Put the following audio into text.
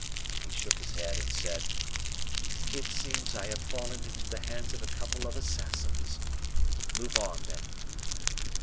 He shook his head and said: "It seems I have fallen into the hands of a couple of assassins. Move on, then."